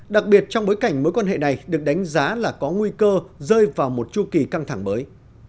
đặc biệt trong bối cảnh mối quan hệ này được đánh giá là có nguy cơ rơi vào một chu kỳ căng thẳng mới